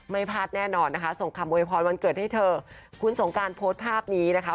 ไม่พลาดแน่นอนนะคะส่งคำโวยพรวันเกิดให้เธอคุณสงการโพสต์ภาพนี้นะคะ